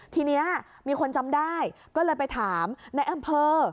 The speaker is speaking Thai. ทีนี้มีคนจำได้ก็เลยไปถามในอำเภอ